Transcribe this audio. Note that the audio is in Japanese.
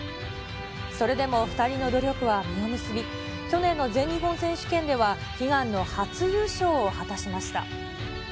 それでも２人の努力は実を結び、去年の全日本選手権では、悲願の初優勝を果たしました。